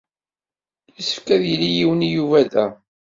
Yessefk ad yili yiwen i Yuba da.